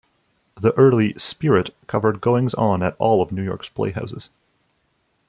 The early "Spirit" covered goings on at all of New York's playhouses.